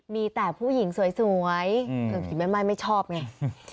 มีแต่ผู้หญิงสวยสวยอืมเผื่อผีแม่ไม้ไม่ชอบไง